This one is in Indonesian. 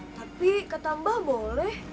tapi ketambah boleh